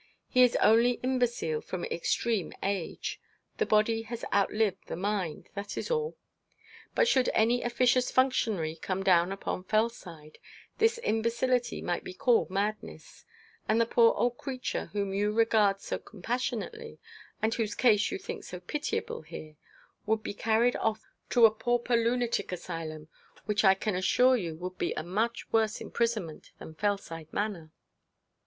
He is only imbecile from extreme old age; the body has outlived the mind, that is all. But should any officious functionary come down upon Fellside, this imbecility might be called madness, and the poor old creature whom you regard so compassionately, and whose case you think so pitiable here, would be carried off to a pauper lunatic asylum, which I can assure you would be a much worse imprisonment than Fellside Manor.'